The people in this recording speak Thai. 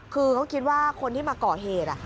คือเขาคิดว่าคนที่มาก่อเหตุ